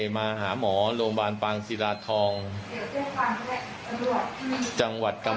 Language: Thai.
มันเรื่องของผม